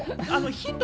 ヒント。